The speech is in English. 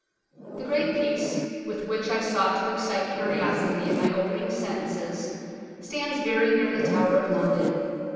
The great piece with which I sought to excite curiosity in my opening sentences stands very near The Tower of London.